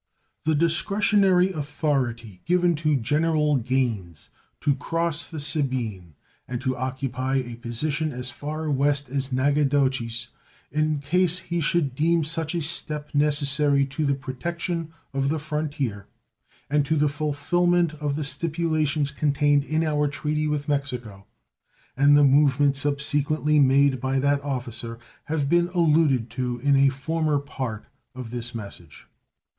The discretionary authority given to General Gaines to cross the Sabine and to occupy a position as far West as Nacogdoches, in case he should deem such a step necessary to the protection of the frontier and to the fulfillment of the stipulations contained in our treaty with Mexico, and the movement subsequently made by that officer have been alluded to in a former part of this message.